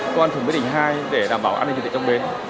công an thủng bến đỉnh hai để đảm bảo an ninh trật tự trong bến